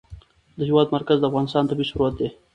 د هېواد مرکز د افغانستان طبعي ثروت دی.